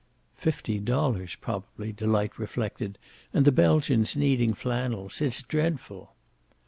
"Fifty dollars, probably," Delight reflected. "And the Belgians needing flannels. It's dreadful."